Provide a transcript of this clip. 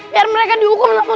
biar mereka dihukum ustadz musa